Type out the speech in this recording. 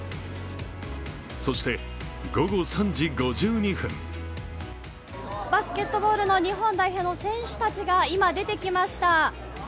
そして、午後３時５２分バスケットボールの日本代表の選手たちが今、出てきました。